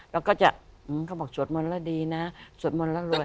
แล้วก็จะเขาบอกสวดมนต์แล้วดีนะสวดมนต์แล้วรวย